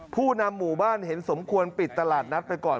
ผู้นำหมู่บ้านเห็นสมควรปิดตลาดนัดไปก่อน